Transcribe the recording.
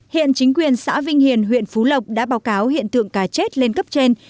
hiện chính quyền xã vinh hiền huyện phú lộc đã báo cáo hiện tượng cá chết lên cấp trên